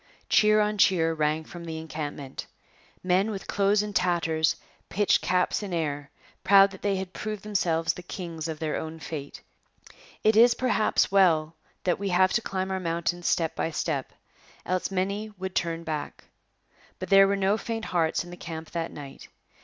Cheer on cheer rang from the encampment. Men with clothes in tatters pitched caps in air, proud that they had proved themselves kings of their own fate. It is, perhaps, well that we have to climb our mountains step by step; else would many turn back. But there were no faint hearts in the camp that night.